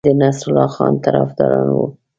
د نصرالله خان طرفداران ول.